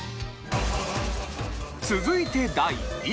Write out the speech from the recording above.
続いて第２位。